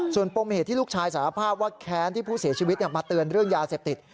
ส่วนปมเหตุที่ลูกชายสารภาพว่าแค้นที่ผู้เสียชีวิตมาเตือนเรื่องยาเสพติด